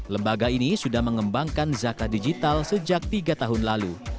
lembaga ini sudah mengembangkan zakat digital sejak tiga tahun lalu